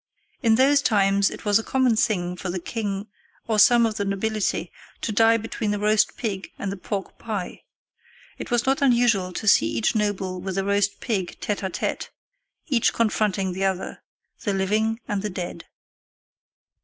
In those times it was a common thing for the king or some of the nobility to die between the roast pig and the pork pie. It was not unusual to see each noble with a roast pig tête à tête, each confronting the other, the living and the dead.